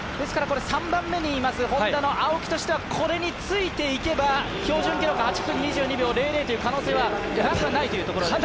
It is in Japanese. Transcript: ３番目にいますＨｏｎｄａの青木としましてはこれについていけば参加標準記録８分２２秒００というのは可能性はなくはないということですか。